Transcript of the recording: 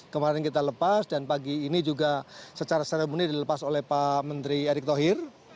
kemarin kita lepas dan pagi ini juga secara seremoni dilepas oleh pak menteri erick thohir